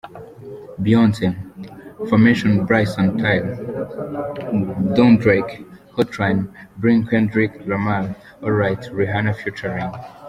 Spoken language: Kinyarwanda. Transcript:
Beyoncé – Formation Bryson Tiller – Don’t Drake – Hotline Bling Kendrick Lamar – Alright Rihanna ft.